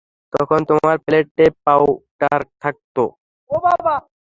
তখন তোমার প্লেটে পাউডার থাকত।